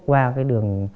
qua cái đường